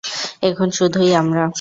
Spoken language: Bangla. এখন শুধুই আমরা।